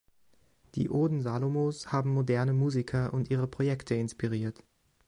Die Oden Salomos haben moderne Musiker und ihre Projekte inspiriert.